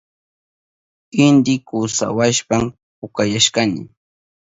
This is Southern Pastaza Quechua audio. Inti kusawashpan pukayashkani.